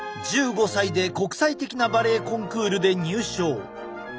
１５歳で国際的なバレエコンクールで入賞。